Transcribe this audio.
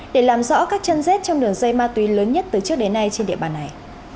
để làm rõ các chân dết trong đường dây ma túy lớn nhất từ trước đến nay trên địa bàn này